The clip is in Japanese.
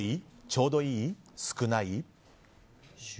ちょうどいい？少ない？